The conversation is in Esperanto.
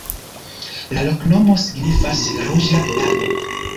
La loknomo signifas: ruĝa lago.